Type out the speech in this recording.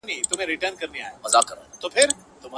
هر یوه ته مي جلا کړی وصیت دی-